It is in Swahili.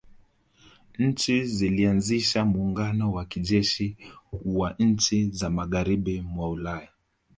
Nchi zilianzisha muungano wa kijeshi wa nchi za magharibi mwa Ulaya